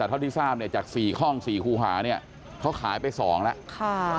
แต่เท่าที่ทราบจาก๔ห้อง๔ครูหาเขาขายไป๒แล้ว